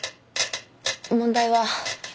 問題は。